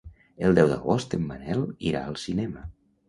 El deu d'agost en Manel irà al cinema.